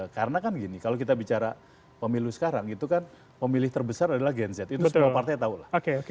karena kan gini kalau kita bicara pemilu sekarang itu kan pemilih terbesar adalah genzit itu semua